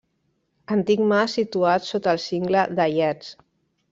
Antic mas situat sota el cingle d'Aiats.